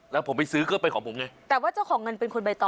แล้วผมไปซื้อก็เป็นของผมไงแต่ว่าเจ้าของเงินเป็นคนใบต่อ